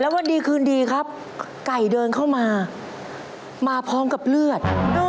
วันดีคืนดีครับไก่เดินเข้ามามาพร้อมกับเลือด